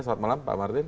selamat malam pak martin